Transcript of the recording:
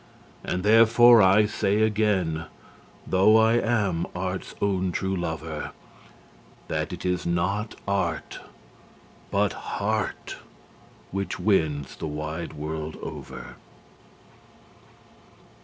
And therefore I say again, though I am art's own true lover, That it is not art, but heart, which wins the wide world over.